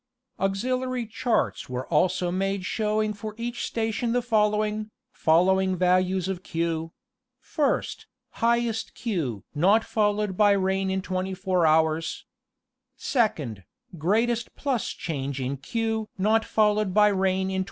Auxiliary charts were also made showing for each station the following following values of Q: Ist. Highest Q not followed by rain in 24 hours. 2d. Greatest plus change in Q not followed by rain in 24 hours.